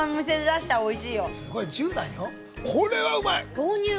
これは、うまい！